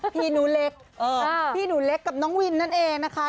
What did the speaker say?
พี่หนูเล็กพี่หนูเล็กกับน้องวินนั่นเองนะคะ